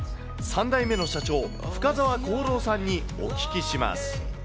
３代目の社長、深澤幸郎さんにお聞きします。